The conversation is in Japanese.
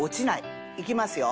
いきますよ。